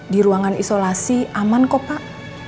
di ruangan isolasi aman kok pak